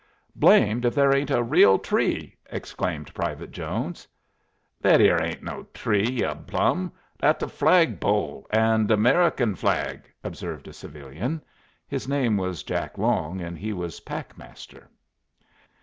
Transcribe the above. "Blamed if there ain't a real tree!" exclaimed Private Jones. "Thet eer ain't no tree, ye plum; thet's the flag pole 'n' th' Merrickin flag," observed a civilian. His name was Jack Long, and he was pack master.